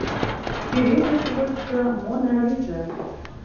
Сӱретыш вочшо Мона Лиза!